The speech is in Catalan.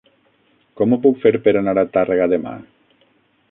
Com ho puc fer per anar a Tàrrega demà?